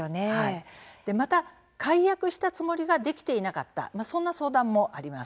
また解約したつもりができていなかったという相談もあります。